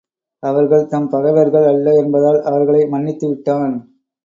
அவர்கள் தம் பகைவர்கள் அல்ல என்பதால் அவர்களை மன்னித்து விட்டான்.